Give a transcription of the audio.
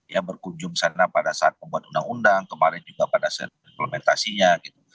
ya berkunjung ke sana pada saat membuat undang undang kemarin juga pada implementasinya gitu